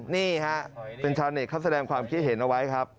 นี่ฮะเป็นชาวเน็ตเขาแสดงความคิดเห็นเอาไว้ครับ